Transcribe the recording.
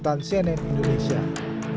yang berbeda dengan penyelidikan yang tersebut